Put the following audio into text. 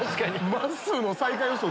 まっすーの最下位予想